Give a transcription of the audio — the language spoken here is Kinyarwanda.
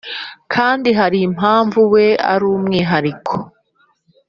kandi harimpamvu we arumwihariko "